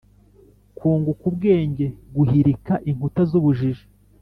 kunguka ubwenge , guhirika inkuta z’ubujiji.